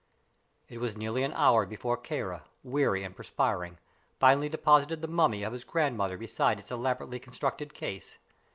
It was nearly an hour before Kāra, weary and perspiring, finally deposited the mummy of his grandmother beside its elaborately constructed case.